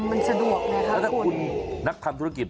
มันสะดวกไงครับแล้วถ้าคุณนักทำธุรกิจ